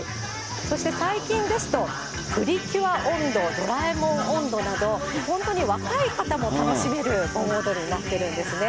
そして最近ですと、プリキュア音頭、ドラえもん音頭など、本当に若い方も楽しめる盆踊りになってるんですね。